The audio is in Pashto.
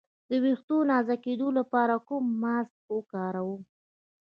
د ویښتو د نازکیدو لپاره کوم ماسک وکاروم؟